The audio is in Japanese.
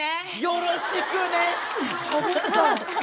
「よろしくね」！？